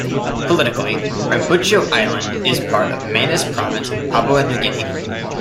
Politically, Rambutyo Island is part of Manus Province, Papua New Guinea.